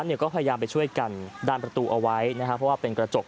นี่นี่นี่นี่นี่นี่